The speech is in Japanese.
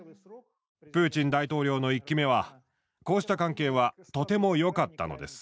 プーチン大統領の１期目はこうした関係はとても良かったのです。